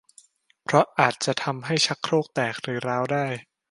เพราะอาจะทำให้ชักโครกแตกหรือร้าวได้